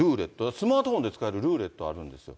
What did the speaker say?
スマートフォンでつかえるルーレット、あるんですよ。